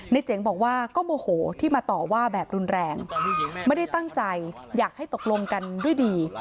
เจ๋งบอกว่าก็โมโหที่มาต่อว่าแบบรุนแรงไม่ได้ตั้งใจอยากให้ตกลงกันด้วยดี